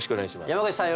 山口さん